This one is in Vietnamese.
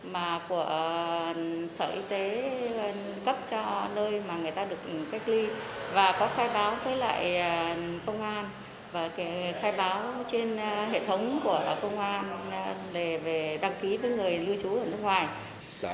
mà của sở y tế cấp cho nơi mà người ta được cách ly và có khai báo với lại công an và khai báo trên hệ thống của công an